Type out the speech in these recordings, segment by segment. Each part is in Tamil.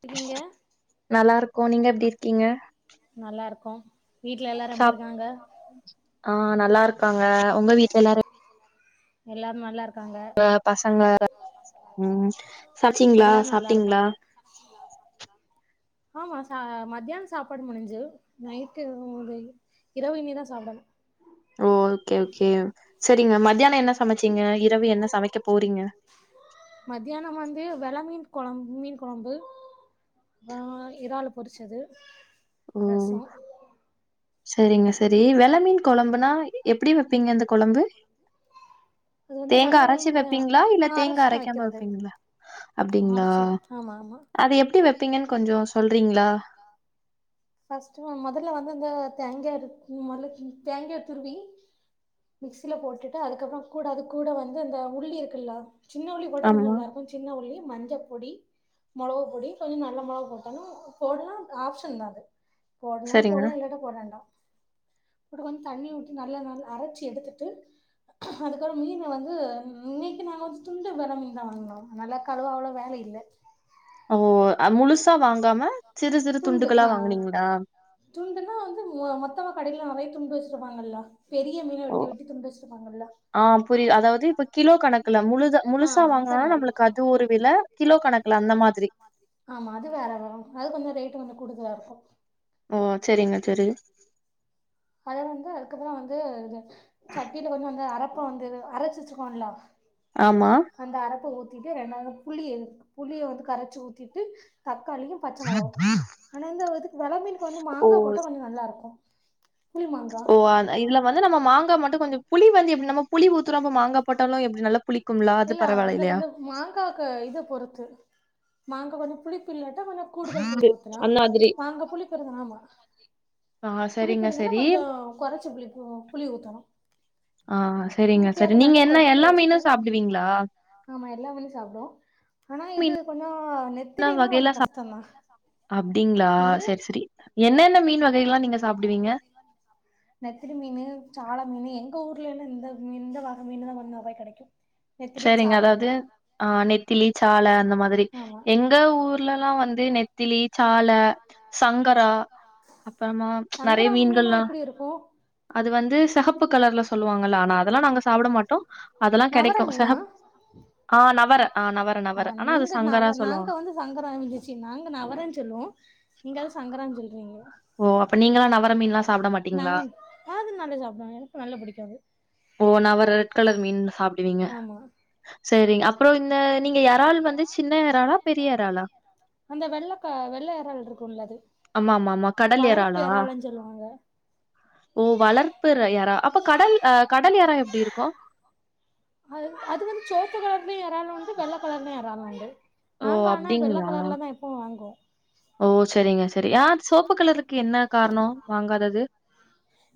இருக்கீங்க நல்லாரு நல்லாருக்கோ வீட்ல எல்லாரு எப்டி சாப் இருக்காங்க ஆ நல்லாருக்காங்க உங்க வீட்ல எல்லாரு எல்லாரு நல்லாரு இப்ப பசங்க ம் சாச்சிங்களா எல்லாரு நல்லா சாப்டீங்களா இருக்காங்க ஆமா ச மத்தியான சாப்பாடு முடிஞ்சு நைட்டு ஒரு இரவு இனிமே தா சாப்டணு ஓ ஓகே ஓகே செரிங்க மத்தியான என்ன சமச்சீங்க இரவு என்ன சமைக்க போறீங்க மத்தியானம் வந்து வெல மீன் கொழம் மீன் கொழம்பு ஆ இறாலு பொரிச்சது ரசோ செரிங்க செரி வெல மீன் கொழம்புனா எப்டி வப்பீங்க இந்த கொழம்பு அது வந்து தேங்கா நாங்க அரச்சு அ வப்பீங்ளா இல்ல தேங்கா அரச்சுதா அரக்காம வைக்கிறது வப்பீங்ளா அப்டிங்களா அரச்சுதா ஆமா ஆமா அது எப்டி வப்பீங்கனு கொஞ்சோ சொல்றீங்களா ஃபஸ்ட்டு ஒன் மொதல்ல வந்து அந்த தேங்கா இருக்கு மொதல ம் தேங்காய துருவி மிக்சில போட்டுட்டு அதுக்கப்பறோ கூட அது கூட வந்து அந்த உள்ளி இருக்குல சின்னவுள்ளி கூட கொஞ்ச ஆமா நல்லா இருக்கு சின்னவுள்ளி மஞ்ச பொடி மொளவு பொடி கொஞ்ச நல்ல மொளகு போட்டாலு போடலா ஆப்ஷன் தா அது போடணாணு சரிங்க போடலா இல்லாட்டா போடறேண்டா இம்ட்டுக்கோனு தண்ணி வுட்டு நல்லா நல்லா அரச்சு எடுத்துட்டு அதுக்கோடு மீன வந்து ம் இன்னைக்கி நாங்க வந்து துண்டு வெல மீன் தா வாங்குனோ நல்லா கழுவா அவ்ளோ வேல இல்ல ஓ அ முழுசா வாங்காம சிறு சிறு துண்டுகளா வாங்கனீங்களா துண்டுனா வந்து மொ மொத்தமா கடைல லா நறையா துண்டு வச்சிருவாங்கல்ல பெரிய மீன வெட்டி வெட்டி துண்டு வெச்சிருப்பாங்கல்ல ஆஹ் புரிது அதாவது இப்ப கிலோ கணக்குல முழுதா ஆ முழுசா அந்த வாங்கனுனா மாரி நம்மளுக்கு அது ஒரு வில கிலோ கணக்குல அந்த மாதிரி ஆமா அது வேற வரு அது கொஞ்சோ ரேட்டு வந்து கூடுதலா இருக்கு ஓ சேரிங்க சரி அத வந்து அதுக்கப்றோ வந்து சட்டில கொஞ்சொ வந்து அரப்பா வந்து [unintelligible] ஆமா அந்த அரப்ப ஊத்திட்டு ரெண்டாவது புளி புளிய வந்து கரச்சு ஊத்திட்டு தக்காளியு பச்ச மொளகு ஆனா இந்த இதுக் வளமீனுக்கு வந்து ஓ! மாங்கா போட்டா கொஞ்சொ நல்லா இருக்கு ஓ ஆ இதுல வந்து நம்ம மாங்கா மட்டு கொஞ்சொ புளி வந்து எப்டி நம்ம புளி ஊத்துறப்போ மாங்கா போட்டாலு எப்டி நல்லா புளிக்கும்லா அது பரவால இல்லயா காக்க இத பொறுத்து மாங்கா கொஞ்சோ புளிப்பில்லட்ட கொஞ்சொ கூடுதல் புலி ஊத்துலா அந்த மாதிரி. மாங்கா புளிப்பிருந்துனாமா ஆ சரிங்க, புளிப்பிருதுனா சரி. கொஞ்சோ கொறச்ச புளிப்பூ புளி ஊத்தணு ஆ சரிங்க, ஊத்தி சரி. அத நீங்க நல்லா என்ன கொதிக்க எல்லா வெச்சிட்டு மீனும் சாப்டுவீங்களா? ஆமா எல்லா மீனயு சாப்டுவோ ஆனா இது கொஞ்சோ எல்லா நெத்திலினா கொஞ்சோ வகையெல்லாம் சாப் கஷ்டந்தா அப்டிங்களா? என்னது சரி, சரி. என்னென்ன மீன் வகைலா நீங்க சாப்டுவீங்க நெத்திலி மீனு சால மீனு எங்க ஊர்ல எல்லா இந்த மீ இந்த வக மீனு தா கொஞ்சோ நறையா கடைக்கு சேரிங்க அதாவது ஆஹ் நெத்திலி சால அந்த மாதிரி ஆமா எங்க ஊர்லல்லாம் வந்து நெத் த்திலி சால சங்கரா அப்றமா நறைய சங்கரா மீனுனா மீன்கள்லா எப்டி இருக்கு அது வந்து செஹப்பு கலர்ல சொல்லுவாங்கல்ல ஆனா அதல்லா நாங்க சாப்ட மாட்டோ அதல்லா கெடைக் நவர ஓ மீனா செஹப் அஹ் நவர அஹ் நவர ஆ நவர ஆனா அது நீங்க சங்கரா நவ நாங்க சொல்லுவாங்க வந்து சங்கராந்துச்சு நாங்க நவரன்னு சொல்லுவோ நீங்க அத சங்கரான் சொல்றீங்க ஓ! அப்ப நீங்கலாம் நவர மீன்லாம் சாப்பிட மாட்டீங்களா? நாங்க அது நல்லா சாப்டுவோ எனக்கு நல்லா புடிக்கு அது ஓ நவர் ரெட் கலர் மீன் சாப் ஆமா செரி அப்றோ இந்த நீங்க எறால் வந்து சின்ன எறாலா பெரிய எறாலா அந்த வெள்ளக்கா வெள்ள எறால் இருக்குல்ல அது ஆமா ஆமாம் வளர்ப்பு எறாலுன்னு சொல்லுவாங்க ஓ வளர்ப்பு ற எறா அப்ப கடல் அஹ் கடல் எறா எப்டி இருக்கு அது அது வந்து சொவப்பு கலர்லயு எறாலுண்டு வெள்ள கலர்லயு எறாலுண்டு ஓ! நாங்க ஆனா வெள்ள அப்டிங்களா? கலர்லதா எப்பவு வாங்குவோ ஓ செரிங்க செரி அ செவப்பு கலருக்கு என்ன காரணோ வாங்காதது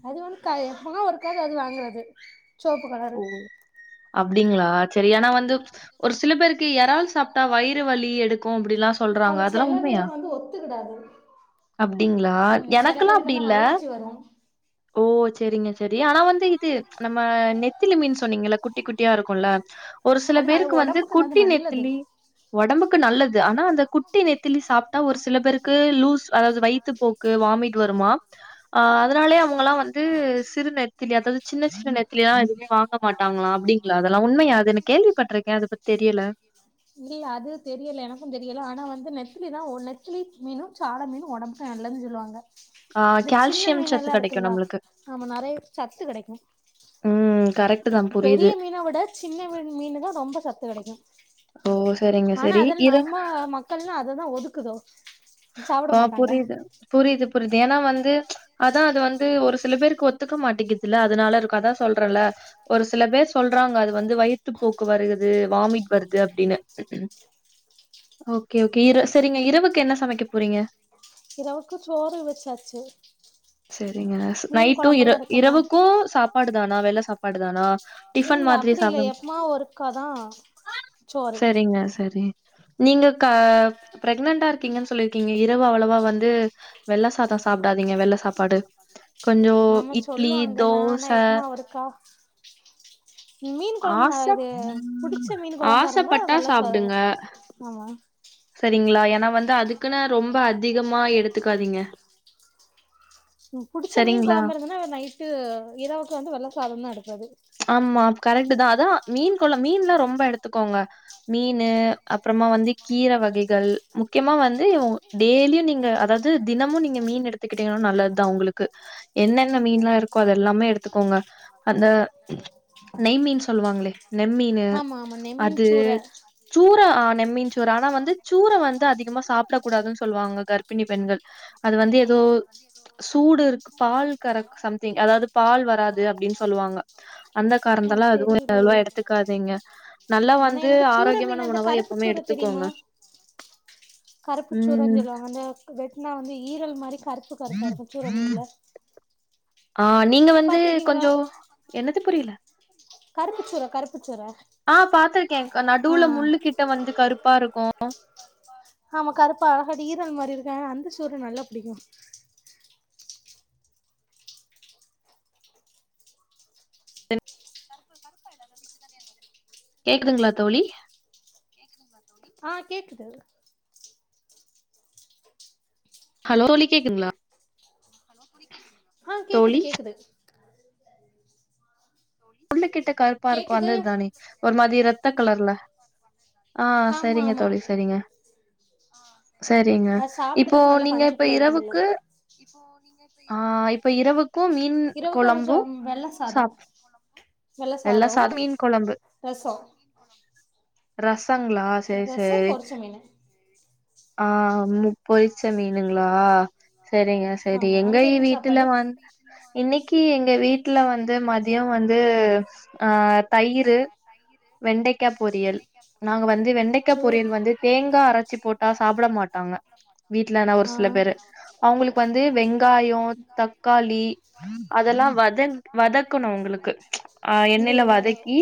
அது வந்து கய யெப்பவோ ஒருக்காக அது வாங்குறது சொவப்பு கலரு ஓ! அப்டிங்களா செரி எனா வந்து ஒரு சில பேருக் கு எறால் சாப்ட்டா வயிறு வலி எடுக்கு அப்டிலா சொல்றாங்க ஆமா அதெல்லா செல உண்மையா பேருக்கு வந்து ஒத்துக்கிடாது அப்டிங்களா ம் செல எனக்குல்லா அப்டி பேருக்கெல்லா இல்ல அலர்ஜி வரு ஓ சேரிங்க சேரி ஆனா வந்து இது நம்ம நெத் திலி மீன் சொன்னீங்கல்ல குட்டி குட்டியா இருக்குல்ல ஒரு சில அது ந பேருக்கு வந்து ஒடம்புக்கு அது குட்டி நல்லது நெத்திலி ஒடம்புக்கு நல்லது ஆனா அந்த குட்டி நெத்திலி சாப்ட்டா ஒரு சில பேருக்கு லூஸ் அதாவது வைத்து போக் க்கு வாமிட் வருமா அ அதனாலயே அவங்கள்ளா வந்து சிறு நெத்திலி அதாவது சின்ன சின்ன நெ த்திலியா எதுமே வாங்க மாட்டாங்ளா அப்டிங்ளா அதெல்லா உண்மயா அது நா கேள்விப்பட்டிருக்கேன் அதை பத்தி தெரியல இல்லயா அது தெரில எனக்குந் தெரில ஆனா வந்து நெத்திலிதா நெத்திலி மீனு சால மீனு ஒடம்பு க்கு நல்லதுன் சொல்வாங்க ஆ இந்த சின்ன கால்சியம் சத்து மீனெல்லா கெடைக்கும் இருக்கல்லா நம்மளுக்கு. ஆமா நெறைய சத்து கெடைக்கு ம் கரெக்ட்டு தான் புரியுது. பெரிய மீன விட சின்ன மீன் மீனுதா ரொம்ப சத்து கெடைக்கு ஓ! சரிங்க ஆனா சரி. அதெல் இர நம்ம மக்கள்லா அதுதா ஒதுக்குதோ சாப்ட ஆ மாட்டாங்க புரிது புரிது புரிது ஏனா வந்து அதா அது வந்து ஒரு சில பேருக்கு ஒத்துக்க மாட்டீக்குதுல்ல அதனால இருக்கு அதா சொல்றல்ல ஒரு சில பேர் சொல்றாங்க அது வந்து வயித்து போக்கு வருகுது வாமிட் வருது அப்டின்னு ஓகே ஓகே இர சேரிங்க இரவுக்கு என்ன சமைக்க போறீங்க இரவுக்கு சோறு வெச்சாச்சு சேரிங்க நைட்டு இர இருக்குன்ன இரவுக்கூ சாப்பாடுதானா வெள்ள சாப்பாடுதானா இல்ல அப்டி இல்ல எப்பமா ஒருக்காதான் சரிங்க சரி நீங்க க பிரெக்னென்டா இரு க்கீங்கன்னு சொல்ருக்கீங்க இரவு அவ்ளவா வந்து வெள்ள சாதோ சாப்டாதீங்க வெள்ள சாப்பாடு கொஞ்சம் ஆமா இட்லி, சொல்லுவாங்க நானு தோச எப்மா ஒருக்கா மீன் கொழம்பு நா ஆசப் இது புடிச்ச மீன் கொழம்பா இருந்தா ஆசப்பட்டா வெள்ள ச ஆமா சரிங்ளா ஏனா வந்து அதுக்குன்னு ரொம்ப அதிகமா எடுத்துக்காதீங்க புடுச்ச மீன் சரிங்களா கொழம்பு இருந்துன்னா நைட் இரவுக்கு வந்து வெள்ள சாதந்தான் எடுப்பாரு ஆமா கரெக்ட்டுதா அதான் மீன் கொழ மீனெல்லா ரொம்ப எடுத்துக்கோங்க மீனு அப்றமா வந்து கீர வகைகள் முக்கியமா வந்து டெய்லியு நீங்க அதாவது தினமு நீங்க மீன் எடுத்துக்கிட்டீங்கன்னா நல்லதுதான் உங்ளுக்கு என்னென்ன மீனெல்லா இருக்கோ அதெல்லாமே எடுத்துக்கோங்க அந்த நெய்மீன் சொல்லுவாங்ளே நெம்மீனு ஆமா ஆமா நெம்மின் அது சூற சூற அ நெம்மீன் சூற ஆனா வந்து சூற வந்து அதிகமா சாப்பட கூடாதுன்னு சொல்லுவாங்க கர்ப்பிணி பெண்கள் அது வந்து எதோ சூடு இருக்கு பால் கர சம்திங் அதாவது பால் வராது அப்டின்னு சொல்லுவாங்க அந்த அ காரண்ந்தெல்லா அதுவு தெரிலயே அவ்ளவா எடுத்துக்காதீங்க நல்லா ஆனா வந்து எனக்கு சூற மீன் ஆரோக்கியமான அந்த உணவா கருப்பு எப்புமே சூற எடு தெரியுமா த்துக்கோங்க கருப்பு சூறன் சொல்லுவாங்க அந்த வெட்னா வந்து ஈரல் மாரி கருப்பு கருப்பா இருக்கு சூற மீன்ல ஆ நீங்க வந்து பாத்திருக்கீங்களா கொஞ்சோ என்னது புரில கருப்புச்சூற கருப்புச்சூற ஆ பாத்திருக்கேன்க்கா நடுவுல முள்ளு கிட்ட வந்து கருப்பா இருக்கு ஆமா கருப்பா அழகாடி ஈரல் மாரி இருக்கு ஆ அந்த சூற நல்லா புடிக்கு கேக்குதுங்ளா தோழி கேக்குதுங்ளா தோழி ஆ கேக்குது ஹலோ தோழி கேக்குங்ளா ஆ கேக்குது தோழி கேக்குது முள்ளு கிட்ட கருப்பா இருக்கு கேக்குது அந்த இதானே ஒரு மாரி ரத்த கலர்ல ஆ ஆமா சரிங்க ஆமா தோழி சரிங்க சரிங்க அது இப்போ சாப்பிடறதுக்கு நல்லா நீங்க பஞ்சு இப்ப போல இருக்கும்ல இரவுக்கு ஆ இப்ப இரவுக்கும் மீன் இரவுக்கு அது ச கொழம்பு வெள்ள சாதோ சாப் வெள்ள சாத மீன் கொழம்பு ரசோ ரசங்ளா செரி ரசோ செரி பொரிச்ச மீனு ஆ முப்பொரிச்ச மீனுங்ளா செரிங்க செரி ஆமா எங்க அங்க வி என்ன வீட்டுல சாப்பாடு வந் இன்னக்கி எங்க வீட்டுல வந்து மதி மதியொ வந்து ஆ தயிரு வெண்டைக்கா பொரியல் நாங்க வந்து இது வெண்டைக்கா சோ பொரியல் வந்து தேங்கா அரச்சி போட்டா சாப்ட மாட்டாங்க வீட்லனா ஒரு ஆ சில பேரு அவுங்களுக்கு வந்து வெங்காயொ தக்காளி அதெல்லா வதன் வதக்குணு அவுங்களுக்கு ஆ இந்த எண்ணெயில வதக்கி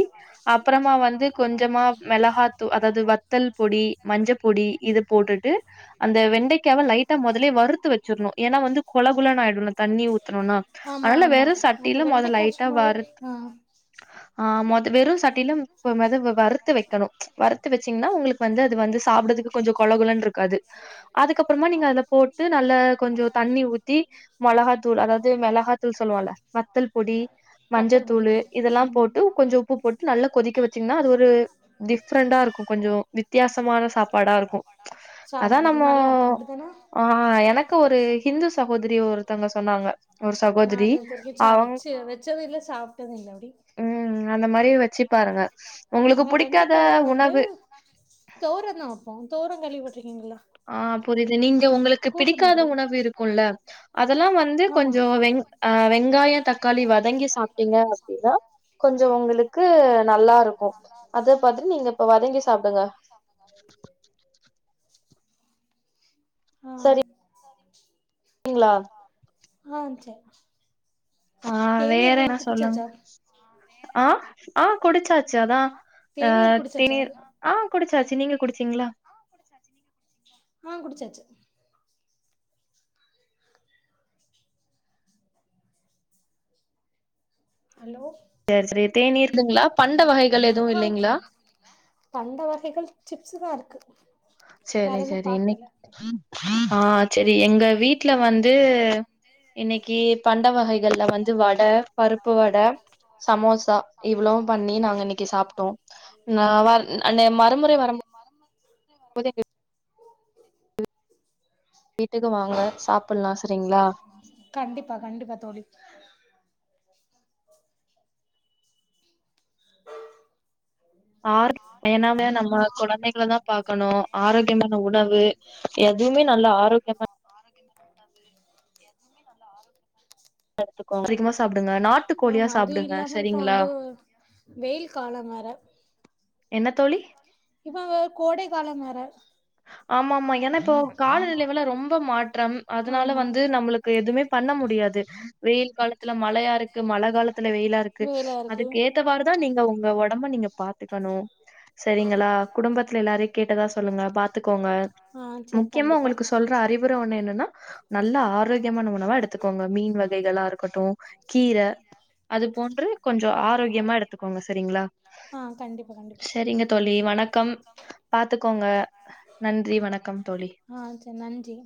அப்பறமா வந்து கொஞ்சமா மெளகாத்தூ அதாவ்து வத் வத்தல் பொடி மஞ்ச பொடி இது போட்டுட்டு அந்த வெண்டைக்காவ லைட்டா மொதலே வறுத்து வச் வச்சிர்னு ஏன்னா வந்து கொலகுலன்னு ஆயிடுல்ல தண்ணி ஊத்துனொன்னா ஆமா அதனால வெறு சட்டில மொத லைட்டா வறு ம் ஆ மொத் வெறு சட்டிலும் பது வருத்து வைக்கணும் வருத்து வச்சீங்ன்னா உங்களுக்கு வந்து அது வந்து சாப்டதுக்கு கொஞ்சொ கொல கொலன்ருக் காது அதுக்கப்புறமா நீங்க அத போட்டு நல்ல கொஞ்சோ தண்ணி ஊத்தி மொளகாத்தூள் அதாவ்து மெளகா தூள் சொல்லுவோல்ல வத்தல் பொடி வத்தல் பொடி மஞ்சத்தூளு ம் இதெல்லாம் போட்டு கொஞ்சொ உப்பு போட்டு நல்லா கொதிக்க வச்சீங்ன்னா அது ஒரு டிஃப்ரெண்டாருக்கூ கொஞ்சொ வித்தியாசமான சாப்பாடா இருக்கூ அதா சாப்ட்றதுக்கு நம்மோ நல்லா இருக்கு அப்டித்தான ஆ எனக்கு ஒரு ஹிந்து சகோதரி ஒருத்தங்க சொன்னாங்க ஒரு நா சகோதரி அந்தந்த பீட்சா அவங்க வச்சு வச்சது இல்ல சாப்ட்டது இல்ல அப்டி ம் அந்த மாரி வச்சி பாருங்க உங்களுக்கு புடிக்காத உணவு தோரண் தா வப்போ தோரம் கேள்விபட்டிருக்கீங்கள்ள ஆ புரியுது நீங் து உங்களுக்கு பிடிக்காத மாதிரி உணவு இருக்குல்ல அதெல்லா வந்து கொஞ்சொ வெங் அ வெங்காய தக் வெங்காய தக்காளி வதக்கி சாப்ட்டிங்க அப்டின்னா கொஞ்சொ [inaudible] கோ அதே பாத்துட்டு நீங்க இப்ப வதங்கி சாப்டுங்க [inaudible] ஆ செரி ரிங்ளா ஆங் செரி ஆ வேற என்னா சொல்லுங்க குடிச்சாச்சா ஆ ஆ குடிச்சாச் ச்சதா அ தேநீர் குடிச்சாச்சா தீணி ஆ குடிச்சாச்சு நீங்க குடிச்சீங்ளா ஆங் குடிச்சாச்சு ஹலோ சேரி சரி தேனீர்ல்லங்ளா பண்ட வகைகள் எதுவு ஆ இல்லைங்ளா கேக்குது பண்ட வகைகள் சிப்ஸு தாருக்கு செரி செரி இன்னைக் ஆ செரி எங்க வீட்ல வந்து இன்னைக்கி பண்ட வகை கள்ள வந்து வட பருப்பு வட சமோசா இவ்ளோம் பண்ணி நாங்க இன்னைக்கு சாப்ட்டோ வரும்போது சாப்ட்டோ எங்க வீட்டுக்கு வாங்க சாப்பல்லா சரிங்ளா கண்டிப்பா கண்டிப்பா தோழி ஆர் ஏனாம நம்ம கொழந்தைகள தா பாக்கணு ஆரோக்கியமான உணவு எதுவ்மே நல்ல ஆரோக்யமா ஆரோக்கியம் எதுவுமே நல்ல ஆரோக்கிய எடுத்துக்கோங்க அதிகமா சாப்டுங்க நாட்டு கோழியா ஆமா அதும் சாப்டுங்க இல்லாம இப்ப சரிங்களா வந்து வெயில் காலம் வேற என்ன தோழி இப்ப கோடை காலம் வேற ஆமா ஆமா ஏன்னா இப்போ காலநிலைவலா ரொம்ப மாற்றம் அதுனால வந்து அதனால நம்மளுக் எதுவுமே பண்ண முடியாது வெயில் காலத்துல மழையா இருக்கு மழ காலத்துல வெயிலா இருக் வெயிலா இருக்கு அதுக்கு ஏத்தவாறுதா நீங்க உங்க ஒடம்ப நீங்க பாத்துக்கணு செரிங்களா குடும்பத்துல எல்லாரையு கேட்டதா சொல்லுங்க பாத்துக்கோங்க முக்கியமா உங்களுக்கு சொல்ற அறிவுர ஒன்னு என்னனா நல்ல ஆரோக்கியமான உணவா எடுத் துக்கோங்க மீன் வகைகளா இருக்கட்டு கீர அது போன்று கொஞ்சோ ஆரோக்கியமா எடுத்துக்கோங்க செரிங்ளா ஆ கண்டிப்பா கண்டிப்பா செரிங்க தோழி வணக்கம் பாத்துக்கோங்க நன்றி வணக்கம் தோழி ஆ செரி நன்றி